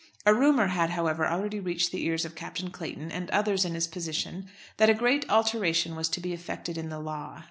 A rumour had, however, already reached the ears of Captain Clayton, and others in his position, that a great alteration was to be effected in the law.